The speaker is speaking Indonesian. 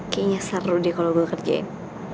kayaknya seru deh kalau gue kerjain